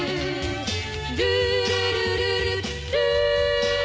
「ルールルルルルー」